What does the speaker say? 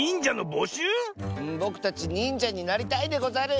ぼくたちにんじゃになりたいでござる！